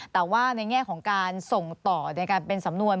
แต่ว่าในแง่ของการส่งต่อในการเป็นสำนวน